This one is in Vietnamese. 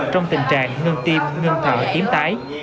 trong tình trạng ngưng tim ngưng thở kiếm tái